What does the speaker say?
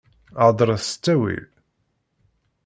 Heḍṛet s ttawil!